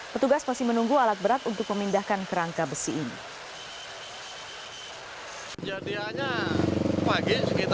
petugas masih menunggu alat berat untuk memindahkan kerangka besi ini